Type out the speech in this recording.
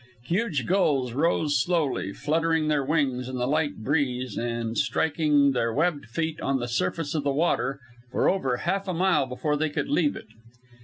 Huge gulls rose slowly, fluttering their wings in the light breeze and striking their webbed feet on the surface of the water for over half a mile before they could leave it.